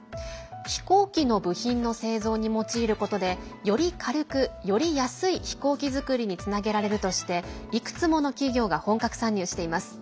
飛行機の部品の製造に用いることでより軽く、より安い飛行機作りにつなげられるとしていくつもの企業が本格参入しています。